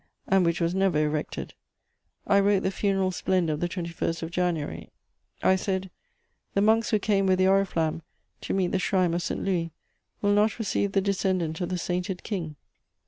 and which was never erected. I wrote the funeral splendour of the 21st of January; I said: "The monks who came with the Oriflamme to meet the shrine of St. Louis will not receive the descendant of the Sainted King.